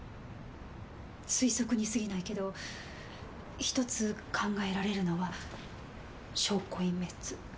推測に過ぎないけどひとつ考えられるのは証拠隠滅。